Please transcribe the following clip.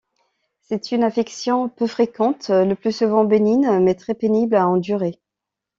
C'est une affection peu fréquente, le plus souvent bénigne, mais très pénible à endurer.